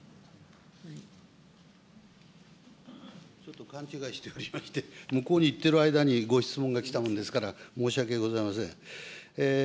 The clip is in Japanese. ちょっと勘違いしておりまして、向こうに行っている間に、ご質問が来たものですから、申し訳ございません。